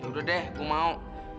yaudah deh ku mau